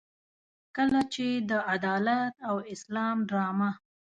کله چې د عدالت او اسلام ډرامه.